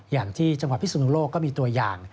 อย่างที่จังหวัดพิสุนุโลกก็มีตัวอย่าง